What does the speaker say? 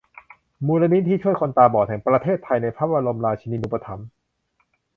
มูลนิธิช่วยคนตาบอดแห่งประเทศไทย ในพระบรมราชินูปถัมภ์